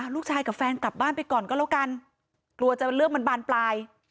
ลูกชายกับแฟนกลับบ้านไปก่อนก็แล้วกันกลัวจะเป็นเรื่องมันบานปลาย